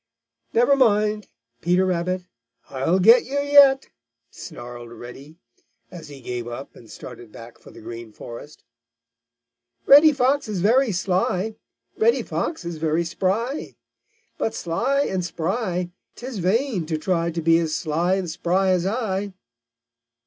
"Never mind, Peter Rabbit, I'll get you yet!" snarled Reddy, as he gave up and started back for the Green Forest. "Reddy Fox is very sly! Reddy Fox is very spry! But sly and spry, 'tis vain to try To be as sly and spry as I."